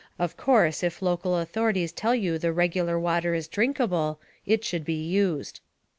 Of course, if local authorities tell you the regular water is drinkable, it should be used.